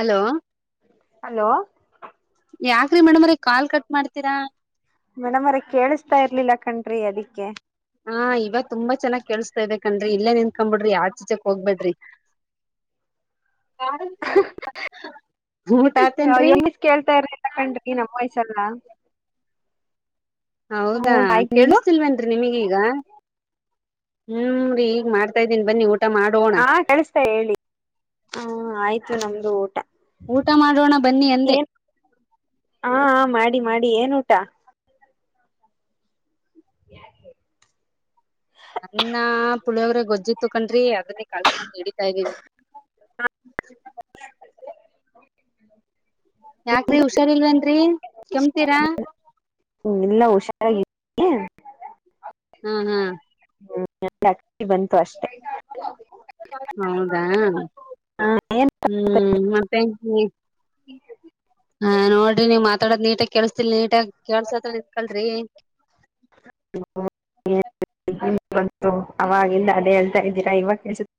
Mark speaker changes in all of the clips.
Speaker 1: Hello,
Speaker 2: hello
Speaker 1: ಯಾಕ್ರಿ ಮೇಡಮ್ರೆ call cut ಮಾಡ್ತೀರಾ.
Speaker 2: ರೀ ಅದಿಕ್ಕೆ.
Speaker 1: ಹಾ ಇವಾಗ್ ತುಂಬಾ ಚೆನ್ನಾಗ್ ಕೇಳುಸ್ತಾ ಇದೆ. ಕನ್ರೆ ಇಲ್ಲೆ ನಿಂತ್ಕೋಂಬಿಡ್ರಿ ಆಚ್ ಈಚೆ ಹೋಗ್ಬೇಡ್ರಿ.
Speaker 2: ಹಹ
Speaker 1: ಊಟ ಆತೇನ್ರಿ
Speaker 2: ಎಮ್ಮಿಸ್ ಕೇಳ್ತಾರಿ ಅಂತಕಂಡ್ರಿ ನಮ್ಮ್ ವಯ್ಸೆಲ್ಲ.
Speaker 1: ಹೌದಾ
Speaker 2: ಊಟ ಆಯ್ತು ನಿಮ್ದು
Speaker 1: ಕೇಳುಸ್ತಿಲ್ವೇನ್ರಿ ನಿಮ್ಗೀಗ. ಹ್ಮ್ನ್ ಈಗ್ ಮಾಡ್ತಾ ಇದೀನಿ ಬನ್ನಿ ಊಟ್
Speaker 2: ಹಾ ಕಳುಸ್ತಾ ಹೇಳಿ, ಹು ಆಯ್ತ್ ಇದು ನಮ್ದು ಊಟ.
Speaker 1: ಊಟ ಮಾಡೋಣ ಬನ್ನಿ ಅಂದೆ.
Speaker 2: ಏನ್ ಹಾ ಹಾ ಮಾಡಿ ಮಾಡಿ ಏನ್ ಊಟ. [unintelligible]
Speaker 1: ಅನ್ನ ಪುಳಿಯೋಗ್ರೆ ಗೊಜ್ಜಿತ್ತು ಕಣ್ರಿ. ಅದನ್ನೇ ಕಲ್ಸಕೊಂಡ್ ನಡೀತ ಇದೀವ್. [inaudible] ಯಾಕ್ರಿ ಹುಷಾರ್ ಇಲ್ವೇನ್ರಿ ಕೆಮ್ತೀರಾ.
Speaker 2: ಹ್ಮ್ ಇಲ್ಲ ಹುಷಾರಾಗಿದೀನಿ.
Speaker 1: ಹ್ಮ್ ಹ್ಮ್.
Speaker 2: [unintelligible] ಬಂತು ಅಷ್ಟೇ.
Speaker 1: ಹೌದಾ
Speaker 2: ಹ ಏನ್
Speaker 1: ಹ್ಮ್ ಮತ್ತೆ. ಹ್ಮ ಹಾ ನೋಡ್ರಿ ನೀವ್ ಮಾತಾಡೋಡ್ ನೀಟಾಗಿ ಕೇಳ್ಸ್ತಿಲ್ ನೀಟಾಗಿ ಕೇಳ್ಸತರ ನಿಂತ್ಕೊಳ್ರಿ.
Speaker 2: ಬಂತು ಅವಗಿಂದ ಅದೇ ಹೇಳ್ತಾ ಇದ್ದೀರಾ ಇವಾಗ್ ಕೆಳ್ಸುತ್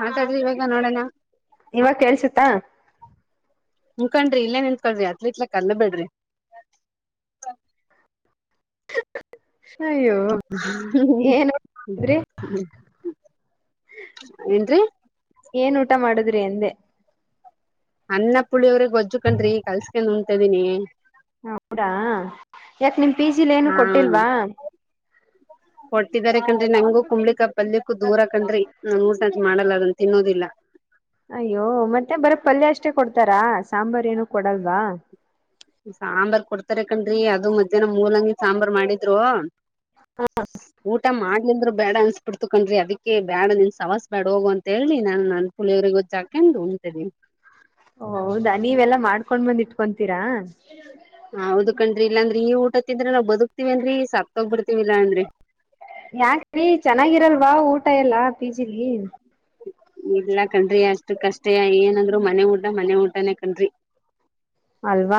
Speaker 1: ಮಾತಾಡ್ರಿ ಇವಾಗ ನೋಡೋಣ
Speaker 2: ಇವ ಕೇಳ್ಸುತ್ತಾ
Speaker 1: ಹಂಖಂಡ್ರಿ ಇಲ್ಲೇ ನಿಂತ್ಕಳ್ರಿ ಅತ್ ಇತ್ಲ ಕಲ್ಲ ಬಿೇಡ್ರಿ
Speaker 2: ಅಯ್ಯೋ ಏನ್ ಅಂದ್ರೆ
Speaker 1: ಏನ್ರೀ
Speaker 2: ಏನ್ ಊಟ ಮಾಡುದ್ರಿ ಎಂದೆ
Speaker 1: [inaudible] ಪುಳಿಯವ್ರಗ್ ಗಜ್ಜು ಕಂಡ್ರಿ ಕಸ್ಕೊಂಡ್ ನುಂಗ ತ ಇದ್ದಿನಿ ಹ್ಮ
Speaker 2: ಹ ಹೌದಾ ಯಾಕ ನಿಮ ಫಿಜಿಲೇನು
Speaker 1: ಹಾ
Speaker 2: ಕೊಟ್ಟಿಲ್ವಾ
Speaker 1: ಹಟ್ಟಿದ್ದಾರೆ ಕಂಡ್ರಿ ನಂಗೂ ಕುಮ್ಳಿಕಯಿ ಪಲ್ಯಕ್ಕೂ ದೂರ ಕಂಡ್ರಿ ನಾ ರ್ ಸಚ್ ಮಾಡಲ್ಲ ಅದನ್ ತಿನ್ನೋದಿಲ್ಲ
Speaker 2: ಅಯ್ಯೋ ಮತ್ತೆ ಬರ ಪಲ್ಯ ಅಷ್ಟೇ ಕೊಡ್ತಾರಾ ಸಾಂಬಾರ ಏನು ಕೊಡಲ್ವಾ
Speaker 1: ಸಾಂಬಾರ್ ಕೊಡ್ತಾರೆ ಕಣ್ರಿ ಅದು ಮಧ್ಯಾಹ್ನ ಮೂಲಂಗಿ ಸಾಂಬಾರ್ ಮಾಡಿದ್ರು ಊಟ ಮಾಡ್ಲಿಂದ್ರು ಬೇಡ ಅನ್ಸ್ಬಿಡ್ತಿ ಕೊಂಡ್ರಿ ಅದಕ್ಕೆ ಬ್ಯಾಡ ನಿನ್ ಸವಾಸಸ್ ಬ್ಯಾಡ್ ಹೋಗುವ ಅಂತ ಹೇಳಿ ನಾನನ್
Speaker 2: ಓ ಹೌದಾ ನೀವೆಲ್ಲಾ ಮಾಡ್ಕೊಂಡ್ ಬಂದ್ ಇಟ್ಕೊಂತೀ ತೀರ
Speaker 1: ಹಾ ಹೌದು ಕಂಡ್ರಿ ಇಲ್ಲಾಂದ್ರ ಈ ಊಟತ್ತಿಂದ್ರ ನವು ಬದುಕ್ ಸಾಕ್ತೋಗ್ಬಿಡ್ತವಿಲ್ಲಾ ಅಂದ್ರೆ
Speaker 2: ವಾ ಊಟ ಎಲ್ಲಾ ಪಿಜಿಲಿ
Speaker 1: ಇಲ್ಲಾ ಕಣ್ರಿ ಅಷ್ಟು ಕಷ್ಟೆ ಏನಂದ್ರು ಮನೆ ಊಟ ಮನೆ ಊಟನೇ ಕಣ್ರಿ
Speaker 2: ಅಲ್ವಾ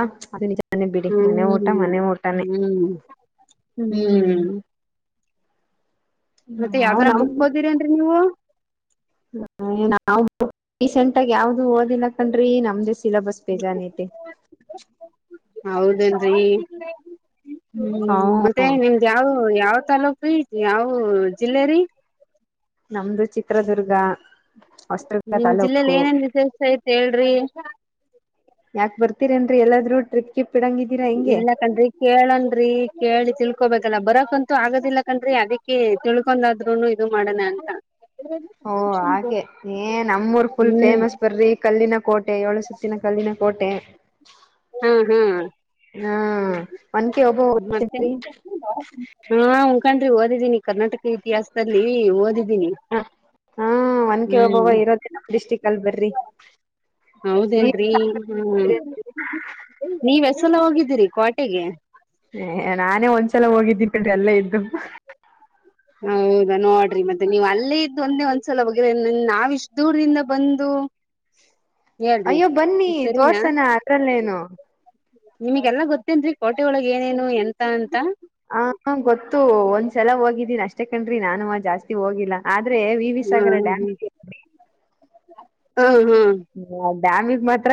Speaker 2: ನಿ ಬಿಡಿ ಮನೆ ಊಟ
Speaker 1: ಹ್ಮ್
Speaker 2: ಮನೆ ಊಟಾನೇ
Speaker 1: ಹ್ಮ್
Speaker 2: ಹ್ಮ್
Speaker 1: ಮತ್ತೆ
Speaker 2: ನಾವ್
Speaker 1: ಯಾವ್ದಾರ
Speaker 2: ನಮ್
Speaker 1: ಪುಸ್ತಕ ಹೋದಿರಿನ್ರಿ ನೀವು
Speaker 2: ನಾವು ರೀಸೆಂಟ್ ಆಗ ಯಾವ್ದು ಓದಿಲ್ಲಕಂಡ್ರಿ ನಮ ದಸ ಸಿಲಬಸ್ ಬಹಳ ಇದೆ.
Speaker 1: ಹೌದೇನ್ರಿ ಹ್ಮ್ ಮತ್ತೆ
Speaker 2: ಹ್ಮ
Speaker 1: ನಿಮ್ದ್ ಯಾವ ಯಾವ್ ತಾಲೂಕಿ ಯಾವ ಜಿಲ್ಲೇರಿ
Speaker 2: ನಮ್ದು ಚಿತ್ರದುರ್ಗ ಹೊಸದುರ್ಗ
Speaker 1: ನಿಮ್ಮ ಜಿಲ್ಲೆಯಲ್ಲಿ
Speaker 2: ತಾಲೂಕು
Speaker 1: ಏನೇನು ವಿಶೇಷತೆಗಳಿವೆ ಹೇಳಿ. ಹಾ [inaudible]
Speaker 2: ಯಾಕ! ಬರ್ತೀರಿೇನ್ರಿ, ಎಲ್ಲಾದ್ರೂ? ಟ್ರಿಪ್ಗೆ. [inaudible]
Speaker 1: ಇಲ್ಲ, ಕಣ್ರೀ ಕೇಳನ್ರಿ, ಕೇಳಿ? [inaudible] ತಿಳ್ಕೋಬೇಕಲ್ಲ! ಬರಕಂತೂ? ಆಗೋದಿಲ್ಲ ಕಂಡ್ರಿ, ಅದಕ್ಕೆ! ತಿಳ್ಕೊೊಂಡಾದ್ರುನು, ಇದು ಮಾಡೋಣ? ಅಂತ. [unintelligible]
Speaker 2: ಓ! ಹಾಗೆ, ಏ ನಮ್ಮೂರು, ಫುಲ್,
Speaker 1: ಹ್ಮ್
Speaker 2: ಫೇಮಸ್ ಬರ್ರಿ. ಕಲ್ಲಿನ? [unintelligible] ಕೋಟೆ? ಏಳು ಸುತ್ತಿನ, ಕಲ್ಲಿನ ಕೋಟೆ! [inaudible]
Speaker 1: ಹ್ಮ್, ಹ್ಮ್. [inaudible]
Speaker 2: ಹಾ, ಒನಕೆ! ಓಬವ್ವ, ಗೊತ್ತು ಏನುರಿ?... [inaudible]
Speaker 1: ಇದೀನಿ, ಕರ್ನಾಟಕ, ಇತಿಹಾಸ? [inaudible]
Speaker 2: ಹ, ಹಾ? ಒನಕೆ, ಓಬವ್ವ!
Speaker 1: ಹ್ಮ್
Speaker 2: ಇರೋದೆ, ನಮ್ಮ ಡಿಸ್ಟಿಕ್. ನಲ್ಲಿ ಬರ್ರಿ? [inaudible] ನೀವ್
Speaker 1: ಹೌದೇನ್ರಿ? ಹ್ಮ, ನೀವ್ಸಲ, ಹೋಗಿದ? [inaudible] ಇದ್ದಿರಿ, ಕೋಟೆಗೆ? [inaudible]
Speaker 2: ಹ? ನಾನೇ, ಒಂದ್ಸಲ, ಹೋಗಿದ್ದೀಿ ಕಣ್ರೀ ಅಲೆ ಇದ್ದು?.. [unintelligible]
Speaker 1: ಹೌದಾ? ನೋಡ್ರಿ ಮತ್ತೆ ನೀವ್ ಅಲ್ಲೇ ಇದ್ದು. ಒಂದೆ ಒಂದ್ಸಲ, ಓಗಿರಿ, ನಾವ ಇಷ್ಟ ದೂರ್ದಿಂದ ಬಂದು. [unintelligible]
Speaker 2: ಅಯ್ಯೋ, ಬನ್ನಿ,
Speaker 1: ಇ ಸರಿನಾ
Speaker 2: ತೋರ್ಸನ. ಅತ್ರಲ್ಲೇನು? [inaudible]
Speaker 1: ನಿಮಗೆಲ್ಲಾ, ಗೊತ್ತೇನುರಿ, ಕೋಟೆ ಒಳಗ್ ಏನೇನು. ಎಂತ ಅಂತ? [inaudible]
Speaker 2: ಹ, ಗೊತ್ತು ಒಂದ್ಸಲ ಹೋಗಿದ್ದೀನಿ? ಅಷ್ಟೇ, ಕಣ್ರಿ! ನಾನುನು, ಜಾಸ್ತಿ ಹೋಗಿಲ್ಲಾ? [unintelligible] ಆದ್ರೆ, ವಿ. ವಿ,
Speaker 1: ಹಾ
Speaker 2: ಸಾಗರ ಡ್ಯಾಮ್? [inaudible]
Speaker 1: ಹಾ.. [inaudible]
Speaker 2: ಹ್ಮ? [inaudible] ಡ್ಯಾಮಗ್, ಮಾತ್ರ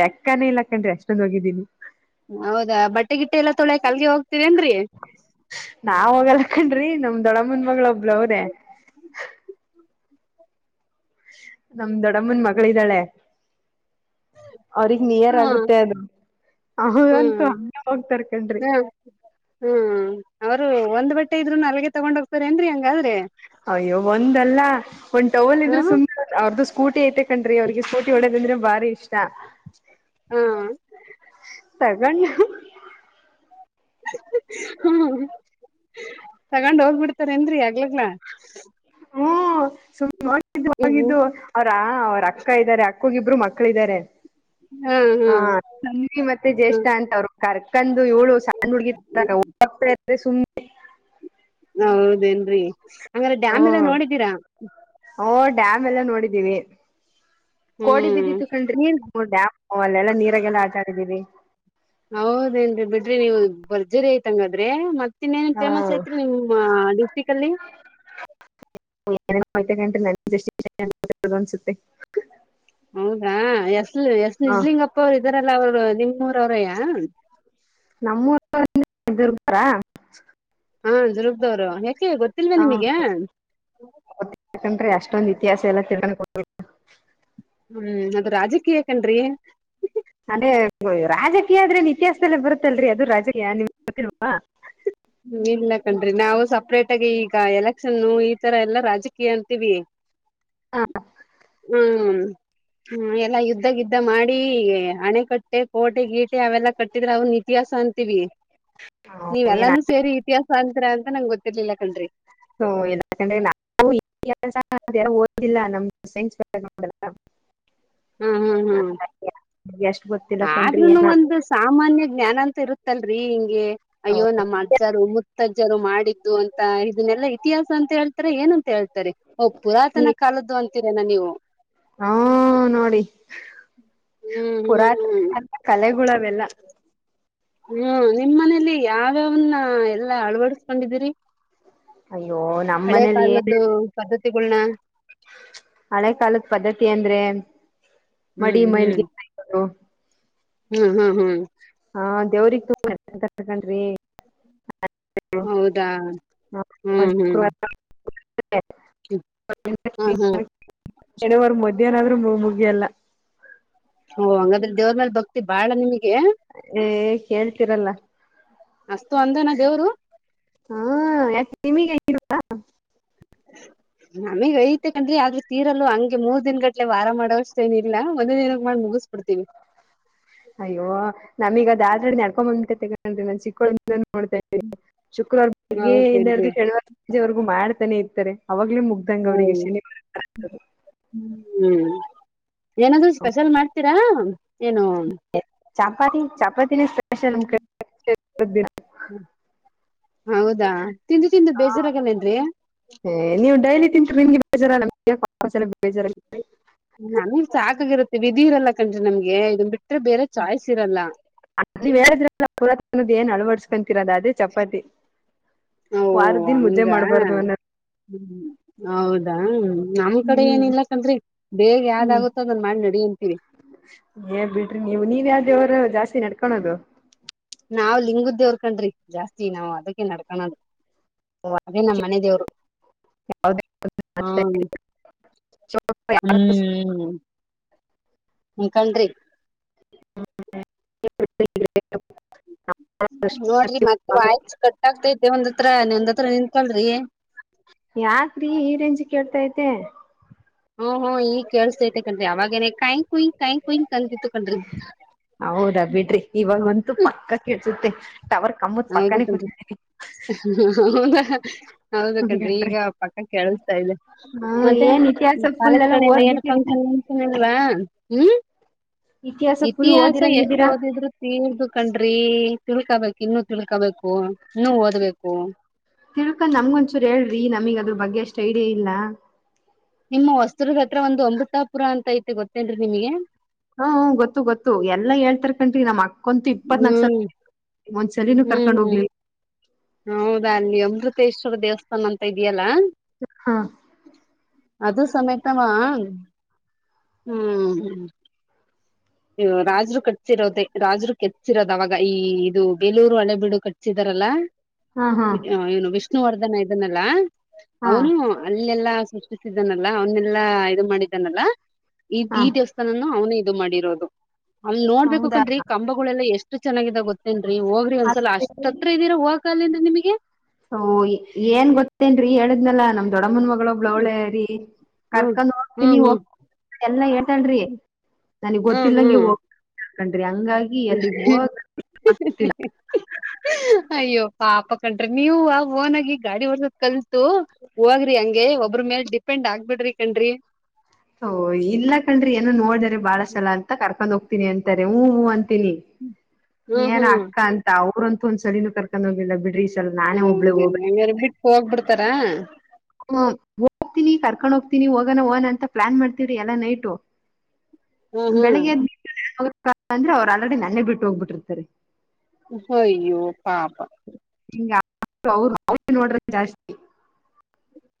Speaker 2: ಲೆಕ್ಕನ, ಇಲ್ಲ ಕಣ್ರೀ? ಎಷ್ಟೊಂದ! ಸಾಲ, ಹೋಗಿದ್ದೀನಿ? [unintelligible]
Speaker 1: ಹೌದಾ! ಬಟ್ಟೆ, ಗಿಟ್ಟ, ಎಲ್ಲಾ, ತೊಳೆ, ಕಲ್ಗೆ ಹೋಗ?.. [inaudible]
Speaker 2: ನಾವು, ಹೋಗಲ್ಲ? [inaudible] ಹನ್ರಿ, ನಮ್! ದೊಡಮ್ಮನ್, ಮಗಳು? [inaudible] ಹೌದೇ?.. [inaudible] ನಮ, ದೊಡಮ್ಮನ್, ಮಗಳ ಇದಿದ್ದಾಳೆ? [inaudible] ಅವ್ರಗ್, ನಿಯರ್
Speaker 1: ಹಾ
Speaker 2: ಆಗುತ್ತೆ? ಅದು.
Speaker 1: ಹಾ
Speaker 2: ಅವಂತೂ ಹಾಂಗೆ, ಹೋಗ್ತರ್ಕಂಡ್ರಿ?
Speaker 1: ಹಾ
Speaker 2: [unintelligible]
Speaker 1: ಹಳಗೆ, ತಗೊಂಡ ಹೋಗ್ತಾರೆ? ಅನ್ರಿ ಹಂಗಾದ್ರೆ!... [inaudible]
Speaker 2: ಅಯ್ಯೋ? ಒಂದಲ್ಲ, ಒಂದ್. ಟವಲ್,
Speaker 1: ಹ
Speaker 2: ಇದ್ರೆ ಸುಮ್ಮ್, ಅವ್ರ್ದ? [inaudible] ಸ್ಕೂಟಿ, ಐತೆ! ಕಣ್ರಿ ಅವ್ರಿಗೆ, ಸ್ಕೂಟಿ ಹೊಡೋದಂದ್ರೆ? ಭಾರಿ, ಇಷ್ಟ? [inaudible]
Speaker 1: ಹಾ? [inaudible]
Speaker 2: ತಗೊಂಡ [inaudible]
Speaker 1: ಹ್ಮ, ತಗೊಂಡ್, ಹೋಗ್ಬಿಡ್ತಾರ? ಏನ್ರಿ ಆಗ್ಲಗ್ಲ! [inaudible]
Speaker 2: ಹ್ಮ? [inaudible] ನೋಡಿದ್ದು,
Speaker 1: ಹ್ಮ್
Speaker 2: ಹೋಗಿದ್ದು ಅವ್ರಾ ಅವ್ರ ಅಕ್ಕ ಇದ್ದಾರೆ, ಅಕ್ಕೋಗಿಬ್ರು, ಮಕ್ಕಲೂ? [inaudible] ಮಕ್ಕಳ, ಇದಿದ್ದಾರೆ? [inaudible] ಹಾ! ಕಮ್ಮಿ, ಮತ್ತೆ
Speaker 1: ಹಾ
Speaker 2: ಜ್ಯೇಷ್ಠ! ಅಂತವ್ರು, ಕರ್ಕಂಡು ಇವಳು, ಸಣ್ಣ, ಹುಡ್ಗಿತರ? [inaudible] ಏ ಸುಮ್ಮ.
Speaker 1: ಹೌದೇನ್ರರಿ. ಹಂಗಾರೆ ಡ್ಯಾಮ್ ಎಲ್ಲಾ
Speaker 2: ಹ್ಮ್
Speaker 1: ನೋಡಿದೀರಾ.
Speaker 2: ಓ ಡ್ಯಾಮ್ ಎಲ್ಲ ನೋಡಿದೀವಿ. ಕೋಡಿ
Speaker 1: ಹ್ಮ್
Speaker 2: ಬಿದ್ದಿತು ಕಂಡ್ರಿ
Speaker 1: ನೀನ್
Speaker 2: ಓ ಡ್ಯಾಮ್. ಓ ಅಲ್ಲೆಲ್ಲಾ ನೀರಾಗೆಲ್ಲ ಆಟಾಡಿದಿರಿ.
Speaker 1: ಹೌದೇನ್ರಿ ಬಿಡ್ರಿ ನೀವು ಭರ್ಜರಿ ಆಯಿತ್ ಹಂಗ್ ಆದ್ರೆ ಮತ್. ತಿನ್ನೇನಕ್
Speaker 2: ನಾವು
Speaker 1: ಫೇಮಸ್ ಐತ್ರಿ ನಿಮ್ಮ ಆ ಡಿಸ್ಟಿಕಲ್ಲಿ.
Speaker 2: ಆಯ್ತ ಎಂಟ್ ನನ್ನ [unintelligible] ಅನ್ಸುತ್ತೆ.
Speaker 1: ಹೌದಾ ಎಸ್ ಎಸ್
Speaker 2: ಹ
Speaker 1: ನಿಜ್ಲಿಂಗಪ್ಪ ಅವ್ರು ಇದ್ದಾರಲ್ಲ ಅವ್ರು. ನಿಮ್ಮೂರೋರೆಯಾ.
Speaker 2: ನಮ್ಮೂರೊರೆ [inaudible] ಎನ್ ಇದು ಇರ್ತಾರ.
Speaker 1: ಹಾ ದುರ್ಗದೋರು ಯಾಕ್. ಏ ಗೊತ್ತಿಲ್ವಾ ನಿಮಿಗೆ.
Speaker 2: ಕಂಡ್ರಿ ಅಷ್ಟೊಂದ್ ಇತಿಹಾಸ ಏಲ್ಲಾ ತಿಳ್ಕೊಂಡು ಕೊಟ್ರು.
Speaker 1: ಹ್ಮ್ ಅದು ರಾಜಕೀಯ ಕಂಡ್ರಿ.
Speaker 2: ಅದೆ ಅ ರಾಜಕೀಯ ಆದ್ರೆ ಏನ್ ಇತಿಹಾಸ್. ಅಲ್ಲೆ ಬರುತ್ತಲ್ರಿ ಅದು ರಾಜಯಾನಿ ಪ್ರತಿರೂಪಾ.
Speaker 1: ಹ್ಮಂ ಇಲ್ಲ ಕಣ್ರಿ ನಾವು ಸಪ್ರೇಟ್ ಆಗಿ ಈಗ ಎಲೆಕ್ಷನ್ನು ಈ ತರ ಎಲ್ಲಾ ರಾಜಕೀಯ ಅಂತೀವಿ.
Speaker 2: ಹ
Speaker 1: ಹ್ಮ್ ಹ್ಮ ಎಲ್ಲಾ ಯುದ್ಧ ಗಿದ್ದ ಮಾಡಿ ಅಣೆ ಕಟ್ಟೆ ಕೋಟೆ ಗೀಟೆ ಅವೆಲ್ಲ ಕಟ್. ಇದ್ರವು ಇತಿಹಾಸ ಅಂತೀವಿ ನೀವೆಲ್ಲಾನು. ಸರಿ ಇತಿಹಾಸ ಅಂತೀರಾ ಅಂತ ನಂಗ ಗೊತ್.
Speaker 2: ಹೊ ಇಲ್ಲಾ ಕಂಡ್ರಿ ನಾನು [unintelligible] ಹಾ ಅದು ಯಾರೊ ಓದಿಲ್ಲ ನಮ್ಮದ್ ಸೈನ್ಸ್. [unintelligible]
Speaker 1: ಹ್ಮ್ ಹ್ಮ್ ಹ್ಮ್.
Speaker 2: ಎಸ್ಟ.
Speaker 1: ಆದ್ರೂನು ಒಂದು ಸಾಮಾನ್ಯ ಜ್ಞಾನ ಅಂತ ಇರುತ್. ತ್ತಲ್ರಿ ಹಿಂಗೆ. ಅಯ್ಯೋ ನಮ್ಮಜ್ಜರು ಮುತ್ತಜ್ಜರು ಮಾಡ್. ಬಿದ್ದು ಅಂತ ಇದನ್ನೆಲ್ಲ ಇತಿಹಾಸ ಅಂತ ಹೇಳ್ತಾರೆ ಎನ್ ಅ ಹೇಳ್ತಾರೆ ಓ ಪುರಾತನ ಕಾಲದ್ದು ಅಂತೀರೇನೊ ನೀವು.
Speaker 2: ಹ್ಮ ನೋಡಿ
Speaker 1: ಹ್ಮ್ ಹ್ಮ್
Speaker 2: ಪುರಾತ್.
Speaker 1: ಹ್ಮ್
Speaker 2: ಅಲ್ಲಾ ಕಲೆಗುಳ ಅವೆಲ್ಲಾ.
Speaker 1: ಹ್ಮ ನಿಮ್ಮ್ ಮನೆಲಿ ಯಾವ್ಯಾವನ್ನ ಅ ಎಲ್. ಅಳವಡಸ್ಕೊಂಡಿದೀರಿ.
Speaker 2: ಅಯ್ಯೋ ನಮ್ಮ್ ಮನೇಲಿ ಏನ್
Speaker 1: ಪದ್ಧತಿಗಳನ್ನ
Speaker 2: ಹಳೆ ಕಾಲದ ಪದ್ದತಿ ಎನ್. ದ್ರೆಂ ಮಡಿ ಮೈಲ್ಗೆ [unintelligible]
Speaker 1: ಹ್ಮ - ಹ್ಮ ಹ್ಮ್
Speaker 2: ಹಾ ದೇವ್ರಗ್ ತುಂಬಂತ ಕಕೊಂಡ್ರಿ [unintelligible]
Speaker 1: ಹೌದಾ ಹ್ಮ್ ಹ್ಮ್.
Speaker 2: ಶುಕ್ರವಾರ
Speaker 1: ಹ್ಮ್ ಹ್ಮ್.
Speaker 2: ಶನಿವಾರ್ ಮಧ್ಯಾಹ್ನ ಆದ್ರು ಮುಗ್ಯಲ್ಲ.
Speaker 1: ಓ ಹಂಗಾದ್ರೆ ದೇವ್ರ್ ಮೇಲ್ ಭಕ್ತಿ ಬಾಳ ನಿಮ್ಗೆ.
Speaker 2: ಏ ಕೇಳ್ತೀರಲ್ಲ.
Speaker 1: ಅಸ್ತು ಅಂದನ ದೇವ್ರು.
Speaker 2: ಹಾ ಯಾಕ್ ನಿಮ್ಗ್. [unintelligible]
Speaker 1: ನಮಿಗ್ ಐತೆ ಕನ್ರಿ ಆದ್ರೂ ತೀರಲ್ಲ ಹಂಗೆ ಮೂರ್ ದಿನ್ ಗಟ್ಲೆ ವಾರ ಮಾಡೋವಷ್ಟ ಏನಿಲ್ಲ ಒಂದೆ ದಿನಕ್ ಮಾಡ್ ಮುಗುಸ್ಬುಡ್ತೀವಿ.
Speaker 2: ಅಯ್ಯೋ ನಮೀಗ್ ಅದ್ ಆಲ್ರೆಡಿ ನಡ್ಕೊಬಂಡ್ಬುಟ್ ಆಯ್ತೆ ಕಣ್ರೀ ನನ್ ಚಿಕ್ಕೊಳಿ [unintelligible] ಶುಕ್ರವಾರ್ ಬೆಳೆಗ್ಗೆ ಇಂದ ಹಿಡ್ದು
Speaker 1: ಹೌದೇನ್ರಿ
Speaker 2: ಶಿನಿವಾರ ಸಂಜೆವರ್ಗೂ ಮಾಡ್ ತಾನೆ ಇರ್ತರೆ.
Speaker 1: ಏ ಹ್ಮ್ ಹ್ಮ್. ಏನಾದ್ರೂ ಸ್ಪೆಷಲ್ ಮಾಡ್ತೀರಾ ಏನು.
Speaker 2: ಚಾಪಾತಿ ಚಾಪಾತ್. [unintelligible]
Speaker 1: ಹ ಹೌದಾ ತಿಂದು ತಿಂದು
Speaker 2: ದಿನ
Speaker 1: ಬೇಜಾರಾಗಲ್ಲವೇನ್ರಿ.
Speaker 2: ಏ, ನೀವು ಡೈಲಿ ತಿಂತಿರ್ ನಿಮಿಗ್. [unintelligible]
Speaker 1: ನಮಿಗ್ ಸಾಕಾಗಿರತ್ತೆ ವಿಧಿ ಇರಲ್ಲ ಕನ್ರಿ ನಮ್ಗೆ ಇದುನ್ ಬಿಟ್
Speaker 2: [unintelligible] ಏನ್ ಅಳವಡ್ಸ್ಕಂದ್ ಕಿರದ್ ಅದೇ ಚಪಾತಿ
Speaker 1: ನಾವು
Speaker 2: ವಾರ ದಿನ್ ಮುದ್ದೆ ಮಾಡ್ಬಾರ್ದು ಅನ್ನ
Speaker 1: ಹ್ಮ್ ಹೌದಾ. ನಮ್ ಕಡೆ
Speaker 2: ಹ್ಮ್
Speaker 1: ಏನ್ ಇಲ್ಲಾಕಂದ್ರಿ ಬೇಗ
Speaker 2: ಹ್ಮ್
Speaker 1: ಯಾವ್ದಾಗುತ್ತೋ ಅದನ್ ಮಾಡಿ ನಡಿ ಅಂತೀವಿ.
Speaker 2: ತೆ ನೆಡ್ಕಣದು.
Speaker 1: ನಾವ್ ಲಿಂಗುದ್ ದೇವ್ರ ಕಣ್ರಿ ಜಾಸ್ತಿ ನಾವ್ ಅದಕ್ಕೆ ನಡ್ಕಳದು ಅದೇ ನಮ್ಮ್ ಮನೆ ದೇವ್ರು. ಹಾ
Speaker 2: [unintelligible]
Speaker 1: ಹು ಕನ್ರಿ.
Speaker 2: [unintelligible]
Speaker 1: ನೋಡ್ರಿ ಮತ್ತೆ ವಾಯ್ಸ್ ಕಟ್ ಆಗ್ತೈತೆ ಒಂದತ್ರ ನಒಂದತ್ರ ನಿನ್ ಕಳ್ರಿ.
Speaker 2: ಯಾಕ್ರೀ ಈ ರೇಂಜ್ಗ್ ಕೇಳ್ತೈತೆ.
Speaker 1: ಹ್ಮ್ ಹ್ಮ್ ಈಗ್ ಕೇಳ್ಸತೈತಿ ಕನ್ರಿ ಅವಾಗೇನೆ ಕಾಯ್ ಕುಯ್ ಕಾಯ್ ಕುಯ್. ಅಂತಿತ್ತು ಕಣ್ರಿ
Speaker 2: ಹೌದಾ ಬಿಡ್ರಿ ಇವಾಗಂತೂ ಪಕ್ಕ ಕೆಳ್ಸುತ್ತೆ.
Speaker 1: ಹೌದು ಕಣ್ರೀ ಹಃ ಹಃ ಹ ಹೌದ ಹೌದು ಕಣ್ರೀ ಈಗ
Speaker 2: ಕೂತ್ಕೊಂಡ್ರಿ.
Speaker 1: ಪಕ್ಕ ಕೇಳುಸ್ತ ಇದೆ
Speaker 2: ಹಾ
Speaker 1: ಮತ್ತೆ
Speaker 2: ಏನ್ ಇತಿಹಾಸ ಫುಲ್
Speaker 1: ಕಾಲೇಜ್
Speaker 2: ಎಲ್ಲ
Speaker 1: ಕಡೆಯಿಂದ ಏನು
Speaker 2: ಓದ್ಬಿಟ್ಟಿರಿ
Speaker 1: ಫಂಕ್ಷನ್ನ್ ಗಿಂಕ್ಷನ್ ಹಾ ಹ್ಮ್.
Speaker 2: ಫುಲ್
Speaker 1: ಇತಿಹಾಸ ಎಷ್ಟ
Speaker 2: ಓದಿರಂಗಿದ್ದೀರಾ
Speaker 1: ಓದಿದ್ರು [unintelligible] ಕಣ್ರಿ. ತಿಳ್ಕಬೇಕು ಇನ್ನು ತಿಳ್ಕೊಬೇಕು ನೀ ಓದ್ಬೇಕು
Speaker 2: ತಿಳ್ಕೊಂಡ್ ನಮ್ಗೊಂದಚೂರು ಹೇಳ್ರಿ ನಮಗ್ ಅದ್ರ ಬಗ್ಗೆ ಅಷ್ಟ್ ಐಡಿಯಾ ಇಲ್ಲ
Speaker 1: ನಿಮ್ಮ ಹೊಸ್ತ್ರರ್ದ ಹತ್ರ ಒಂದು ಅಮೃತಾಪುರ ಅಂತ ಐತೆ ಗೊತ್ತೇನ್ೀ ನಿಮಗೆ
Speaker 2: ಹ್ಮ ಗೊತ್ತು ಗೊತ್ತು ಎಲ್ಲಾ ಹೇಳ್ತರ್ ಕನ್್ರಿ ನಮ್ಮ್ ಅಕ್ಕ ಕುಂತು ಇಪ್ಪತ್ನಾಲ್ಕು ಸಲ
Speaker 1: ಹ್ಮ್
Speaker 2: ಮುಂದ ಸಲಿನೂ ಕರ್ಕೊಂಡ್ ಹೋಗ್ಿಲ್ಲ
Speaker 1: ಹೌದಾಲ್ಲಿ ಅಮೃತೇಶ್ವರ ದೇವಸ್ಥಾನ ಅಂತ ಇದೆಯಲ್ಲಾ
Speaker 2: ಹಾ
Speaker 1: ಅದು ಸಮೇತವಾ ಹ್ಮ್ ಹ್ಮ್ ರಾಜರು ಕಟ್ಸಿರೋದೇ ರಾಜರು ಕೆಟ್ಟಿರೋದ ಅವಾಗ ಈ ಇದು ಬೇಲೂರು ಹಣೆ ಬಿೀಡು ಕಟ್ಸಿದಾರಲ್ಲಾ
Speaker 2: ಹಾ ಹಾ
Speaker 1: ಹ ಏನು ಬೆಷ್ಟ ವರ್ಧನ ಇದನ್ನೆಲ್ಲಾ
Speaker 2: ಹಾ
Speaker 1: ಅವನು ಅಲ್ಲೆಲ್ಲಾ ಸೃಷಿಸಿದ್ದನಲ್ಲಾ ಅವನ್ನೆಲ್ಲಾ ಇದು ಮಾಡಿದ್ದಾನಲ್ಲಾ ಈ್
Speaker 2: ಹಾ
Speaker 1: ಈ ದೇವಸ್ಥಾನನು ಅವನೇ ದು ಮಾಡಿರೋದು ಅಲ್
Speaker 2: ಹೌದಾ
Speaker 1: ನೋಡ್ಬೇಕುಕನ್್ರಿ ಕಂಬಗಳೆಲ್ಲ ಎಷ್ಟ್ ಚೆನ್ನಾಗಿದಾವ ಗೊತ್ತೇನ್ರೀ ಹೋಗ್ರಿ ಒಂದ್ಸಲ ಅ್ ಹತ್ರ ಇದೀರ ಹೋಗ ಅಾಲ ನಿಮಗೆ
Speaker 2: ಸ ಏನ್ ಗೊತ್ತೇನ್ರೀ ಹೇಳಿದ್ನಲ್ಲಾ ನಮ್ ದೊಡಮನ್ ಮಕ್ ಬಳರಿ
Speaker 1: ಹ್ಮ್
Speaker 2: ಕರ್ಕ
Speaker 1: ಹ್ಮ್
Speaker 2: ನೋಡ್ತೀನಿ ಹೋಗ ಎಲ್ಲ ಹೇಳ್ತನ್್ರಿ ನನಗ್
Speaker 1: ಹ್ಮ್ ಹ್ಮ್
Speaker 2: ಗೊತ್ತಿಲ್ಲಂಗಗೆ
Speaker 1: ಹ್ಮ್
Speaker 2: ಹೋಗ ಆಗ್ತಿಲ್ಲ
Speaker 1: ಅಯ್ಯೋ ಪಾಪ ಕಣ್ರಿ ನೀವು ಆ ಓನ್ಗಿ ಗಾಡಿ ಹೊರ್ಸದ್ ಕಲ್ತು ಹೋಗ್ರಿ ಹಂಗೆ ಒಬ್ಬ್ರ ಮೇಲ್ ಡಿಪೆಂಡ್ ಆಗ್ಬಿಡ್ರಿ ಕಣ್ರಿ
Speaker 2: ಹಓ ಇಲ್ಲ ಕನ್್ರಿ ಏನ ನೋಡ್ದರಿ ಬಾಳ ಚಲ ಅಂತ ಕರ್ಕೊಂಡ್ ಹೋಗ್ತ ಿ ಅಂತಾರೆ ಹ ಅ ತಿನ್ನಿ
Speaker 1: ಹ್ಮ್
Speaker 2: ಏನ್
Speaker 1: ಹ್ಮ್
Speaker 2: ಅಕ್ಕ ಅಂತ ಅವ್ರ ಒಂದ್ ಸಲಿನನು ಕರ್ಕೊಂಡ ಹೋಗಿಲ್ಲ ಬಿ್ರಿ
Speaker 1: ಹ ಅಂಗರೇ ಬಿಟ್ಟ ಹೋಗ್ಬಿಡ್ತಾರಾ ಹ
Speaker 2: ಹ ಹೋಗ್ತೀನಿ ಕರ್ಕೊಂಡ್ ಹೋಗ್ತೀನಿ ಹೋಗಣ ಹಣ ಅಂತ ಪ್ಲಾನ್ ಮಾಡ್ತವ್ರಿ ಎಲ್ಲಾ ನೈಟು
Speaker 1: ಹ್ಮ್
Speaker 2: ಬೆಳಿಗ್ಗೆ
Speaker 1: ಹ್ಮ್
Speaker 2: ಎ ಅಂದ್ರೆ ಅವ್ ಆಲ್ರೆಡಿ ನನ್ನೇಗ್ ಬಿಟ್ಟು ಹೋಗ್ಬಿಟ್ಟಿರ್ತಾರೆ
Speaker 1: ಅಯ್ಯೋ ಪಾಪಾ
Speaker 2: ನೋಡ್ರ ಜಾಸ್ತಿ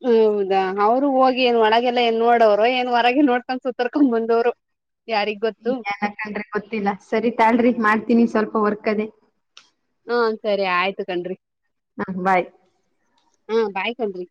Speaker 1: ಹೌದಾ ಅವರು ಹೋಗಿ ಏನ್ ಒಳಗೆಲ್ಲ ಏನ್ ನೋಡೋರು ಏನ್ ಹೊರಗೆ ನೋಡ್ಕೊಂಡ್ ಸೂ ತರ್ಕೊಂಡ್ ಬಂದವರು
Speaker 2: ಹ್ಮ ಏನ್ಕಂಡ್ರಿ ಗೊತ್ತಿಲ್ಲ ಸರಿ ತಾಳ್ರಿ ಮಾಡ್ ನಿ ಸ್ವಲ್ಪ ವರ್ಕ್ ಅದೆೇ
Speaker 1: ಹಾ ಸರಿ ಆಯ್ತು ಕಣ್ರಿ
Speaker 2: ಹಾ ಬಾಯ್
Speaker 1: ಹಾ ಬಾಯ್ಕೊಂಡ್ರಿ